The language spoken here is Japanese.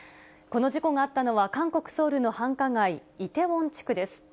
この事故があったのは韓国・ソウルの繁華街、イテウォン地区です。